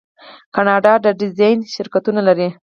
کاناډا د ډیزاین شرکتونه لري.